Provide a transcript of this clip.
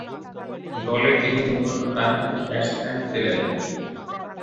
দলে তিনি মূলতঃ ডানহাতি ব্যাটসম্যান ছিলেন।